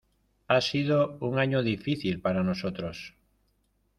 Ha sido un año difícil para nosotros.